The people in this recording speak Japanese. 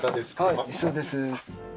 はいそうです。